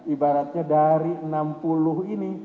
ibaratnya dari enam puluh ini